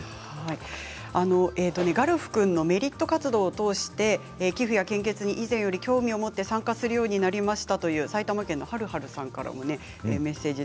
ガルフ君のメリット活動を通して寄付や献血に以前より興味を持って参加するようになったという埼玉県の方からもメッセージが